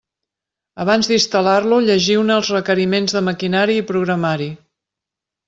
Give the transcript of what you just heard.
Abans d'instal·lar-lo llegiu-ne els requeriments de maquinari i programari.